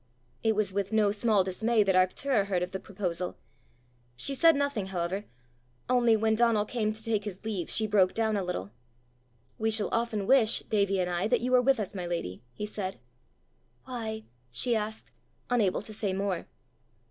It was with no small dismay that Arctura heard of the proposal. She said nothing, however only when Donal came to take his leave she broke down a little. "We shall often wish, Davie and I, that you were with us, my lady," he said. "Why?" she asked, unable to say more.